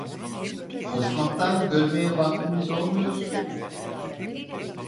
Koşmaktan görmeye vaktimiz olmuyor ki…